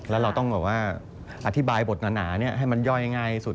แล้วเราต้องแบบว่าอธิบายบทหนาให้มันย่อยง่ายสุด